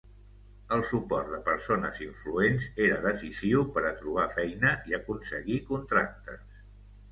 El suport de persones influents era decisiu per a trobar feina i aconseguir contractes.